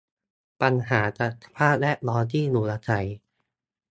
ปัญหาจากสภาพแวดล้อมที่อยู่อาศัย